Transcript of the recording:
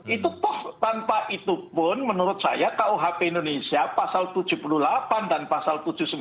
itu tanpa itu pun menurut saya kuhp indonesia pasal tujuh puluh delapan dan pasal tujuh puluh sembilan